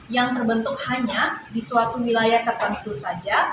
yang terbentuk hanya di suatu wilayah tertentu saja